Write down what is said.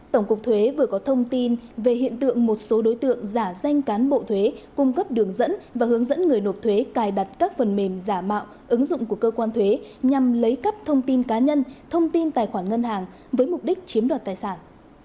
tổng cục thuế vừa có thông tin về hiện tượng một số đối tượng giả danh cán bộ thuế cung cấp đường dẫn và hướng dẫn người nộp thuế cài đặt các phần mềm giả mạo ứng dụng của cơ quan thuế nhằm lấy cắp thông tin cá nhân thông tin tài khoản ngân hàng với mục đích chiếm đoạt tài sản